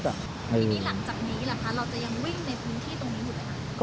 ทีนี้หลังจากนี้ล่ะคะเราจะยังวิ่งในพื้นที่ตรงนี้อยู่ไหมคะ